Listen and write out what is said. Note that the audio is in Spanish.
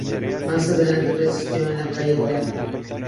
Más adelante residió en la calle Real.